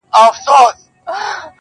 د زړه له درده درته وايمه دا.